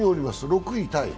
６位タイ。